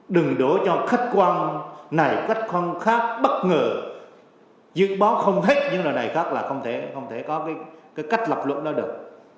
đừng đổ cho khách quan này khách quan khác bất ngờ dự bó không hết như loài này khác là không thể có cách lập luận đó được